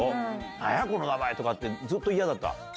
なんだ、この名前とかって、ずっと嫌だった？